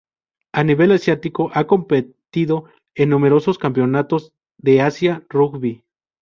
A nivel asiático ha competido en numerosos campeonatos de Asia Rugby.